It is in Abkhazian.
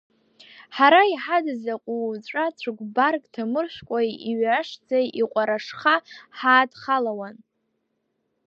Ҳара иҳадыз аҟуҵәа цәыкубарк ҭамыршәкуа иҩашӡа иҟуарашха ҳаадхалауан.